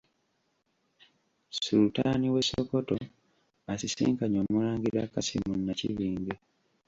Sultan we Sokoto asisinkanye Omulangira Kassim Nakibinge.